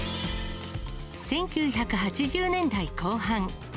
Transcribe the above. １９８０年代後半。